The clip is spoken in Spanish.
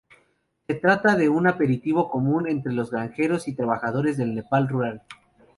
Se trata de un aperitivo común entre los granjeros y trabajadores del Nepal rural.